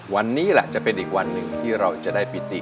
วันนี้แหละจะเป็นอีกวันหนึ่งที่เราจะได้ปิติ